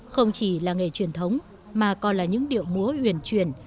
không chỉ là nghề truyền thống mà còn là những điệu múa uyển truyền